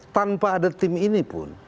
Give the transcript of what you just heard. tanpa ada tim ini pun